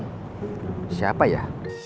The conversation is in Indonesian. ada telepon siapa ya